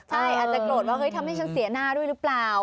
ใช่อาจจะโกรธว่าเฮ้ยทำให้ฉันเสียหน้าด้วยหรือเปล่า